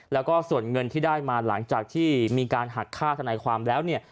แล้วก็ส่วนเงินที่ได้มาหลังจากที่มีการหักค่าธนายความแล้วเนี่ย